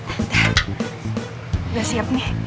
udah siap nih